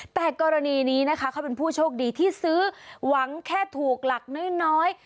แต่กรณีนี้นะคะเขาเป็นผู้โชคดีที่ซื้อหวังแค่ถูกหลักน้อย